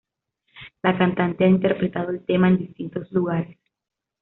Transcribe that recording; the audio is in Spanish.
La cantante ha interpretado el tema en distintos lugares.